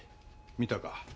見たか？